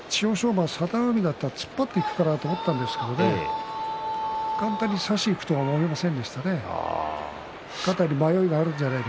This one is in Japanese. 馬は佐田の海なので突っ張っていくかなと思っていたんですが簡単に差しにいくとは思いませんでしたね。